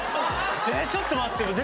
ちょっと待って！